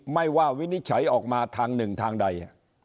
ไม่ว่าวินิจฉัยออกมาทางหนึ่งทางใด